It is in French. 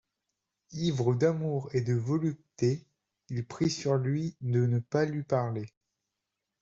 Ivre d'amour et de volupté, il prit sur lui de ne pas lui parler.